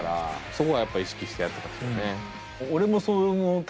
そこはやっぱ意識してやってますよね。